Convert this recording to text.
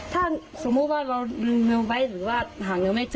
ถ้าสมมุติว่าเราไม่เจอหังหายหังไม่เจอ